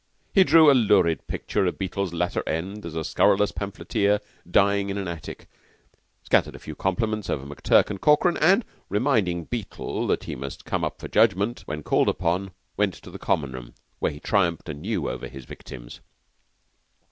He drew a lurid picture of Beetle's latter end as a scurrilous pamphleteer dying in an attic, scattered a few compliments over McTurk and Corkran, and, reminding Beetle that he must come up for judgment when called upon, went to Common room, where he triumphed anew over his victims.